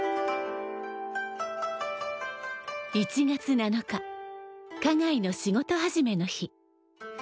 １月７日花街の仕事始めの日。